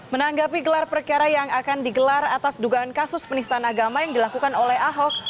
menanggapi gelar perkara yang akan digelar atas dugaan kasus penistaan agama yang dilakukan oleh ahok